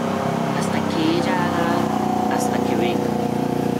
hasta que ella haga algo, hasta que venga